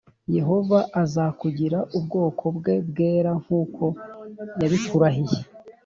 yehova azakugira ubwoko bwe bwera+ nk’uko yabikurahiye